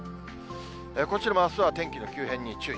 こちらもあすは天気の急変に注意。